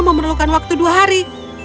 memerlukan waktu dua hari